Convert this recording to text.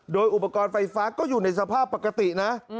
โดยอุปกรณ์ไฟฟ้าก็อยู่ในสภาพปกตินะ